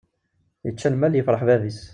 Ičča lmal yefṛeḥ bab-is.